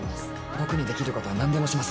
僕にできることは何でもします。